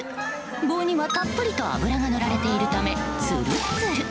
棒にはたっぷりと油が塗られているため、つるつる。